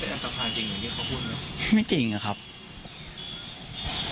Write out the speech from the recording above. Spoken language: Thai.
แล้วเป็นอันตรภัณฑ์จริงอย่างที่เขาพูดเนอะ